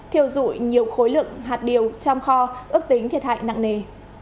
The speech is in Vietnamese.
thiêu dụi nhiều khối lượng hạt điều trong kho ước tính thiệt hại nặng nề